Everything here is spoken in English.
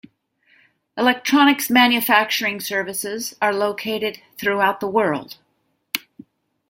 Electronics manufacturing services are located throughout the world.